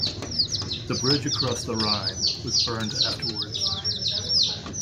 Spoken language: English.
The bridge across the Rhine was burned afterwards.